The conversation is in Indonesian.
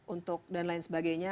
untuk dan lain sebagainya